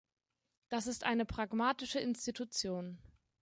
Das ist eine pragmatische Institution.